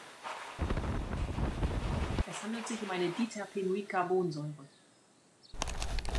Es handelt sich um eine Diterpenoid-Carbonsäure.